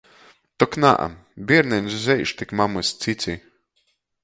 Tok nā, bierneņš zeiž tik mamys cici!